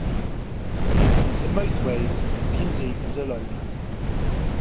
In most ways, Kinsey is a loner.